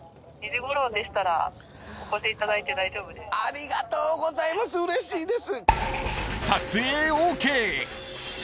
ありがとうございますうれしいです。